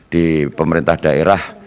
di pemerintah daerah